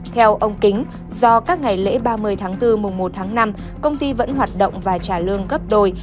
theo ông kính do các ngày lễ ba mươi bốn một năm công ty vẫn hoạt động và trả lương gấp đôi